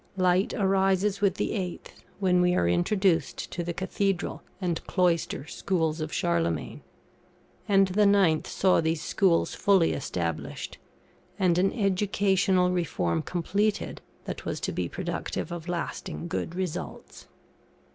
Light arises with the 8th, when we are introduced to the Cathedral and Cloister Schools of Charlemagne; and the 9th saw these schools fully established, and an educational reform completed that was to be productive of lasting good results.